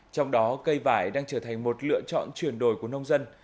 trong đó cây vải đang trở thành một lựa chọn chuyển đổi của nông dân